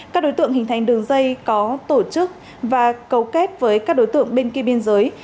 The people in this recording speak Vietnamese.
các đối tượng hình thành đường dây có tổ chức và cấu kết với các đối tượng bên kia biên giới